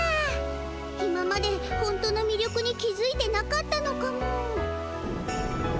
今までほんとのみりょくに気づいてなかったのかも。